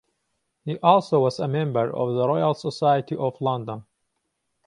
He also was a member of the Royal Society of London.